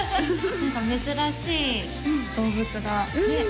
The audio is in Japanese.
何か珍しい動物がね